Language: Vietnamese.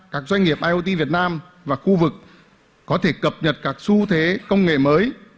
các doanh nghiệp iot việt nam và khu vực có thể cập nhật các xu thế công nghệ mới